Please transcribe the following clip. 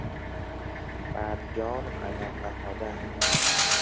بر جان قدم نهادن